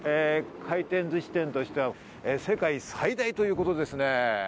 回転寿司店としては世界最大ということですね。